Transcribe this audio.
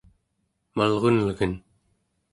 malrunelgen